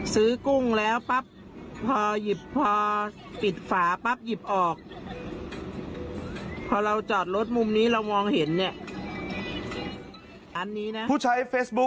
ซื้อกุ้งแล้วปั๊บ